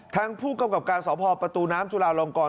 ทางผู้กำกับการสพประตูน้ำจุลาลงกร